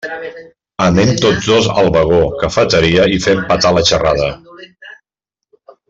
Anem tots dos al vagó cafeteria i fem petar la xerrada.